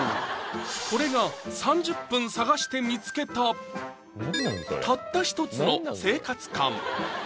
これが３０分探して見つけたたった一つの生活感